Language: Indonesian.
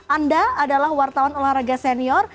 anda adalah wartawan olahraga senior